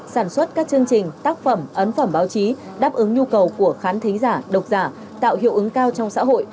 sản xuất các chương trình tác phẩm ấn phẩm báo chí đáp ứng nhu cầu của khán thính giả độc giả tạo hiệu ứng cao trong xã hội